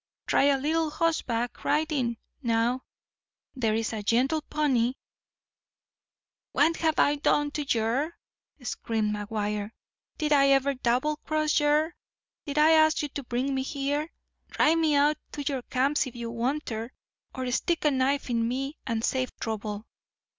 Try a little hossback riding now. There's a gentle pony—" "What've I done to yer?" screamed McGuire. "Did I ever doublecross yer? Did I ask you to bring me here? Drive me out to your camps if you wanter; or stick a knife in me and save trouble.